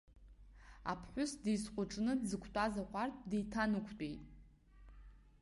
Аԥҳәыс деизҟәыҿны дзықәтәаз аҟәардә деиҭанықәтәеит.